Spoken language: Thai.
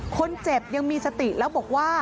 คนเจ็บยังมีสติแล้วบอกว่า